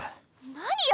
何よ。